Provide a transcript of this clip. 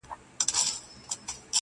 درزوي مې څه بې واره د سینې ور